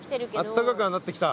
あったかくはなってきた？